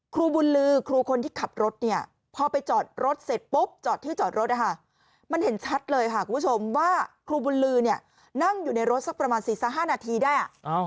คุณครูบุญลือนั่งอยู่ในรถสักประมาณ๔๕นาทีได้